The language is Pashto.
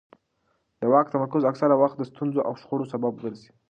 د واک تمرکز اکثره وخت د ستونزو او شخړو سبب ګرځي